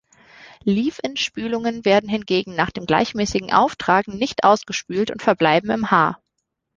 Leave-in-Spülungen werden hingegen nach dem gleichmäßigen Auftragen nicht ausgespült und verbleiben im Haar.